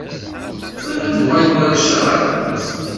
Qrib ad uɣalen warrac s aɣerbaz.